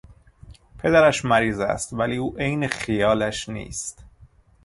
پدرش مریض است ولی او عین خیالش نیست.